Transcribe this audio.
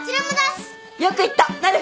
よく言ったなる！